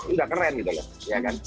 itu udah keren gitu kan